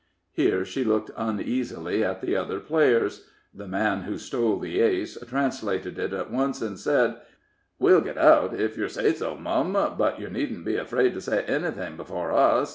Here she looked uneasily at the other players. The man who stole the ace translated it at once, and said: "We'll git out ef yer say so, mum; but yer needn't be afraid to say ennything before us.